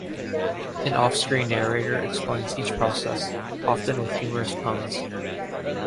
An off-screen narrator explains each process, often with humorous puns.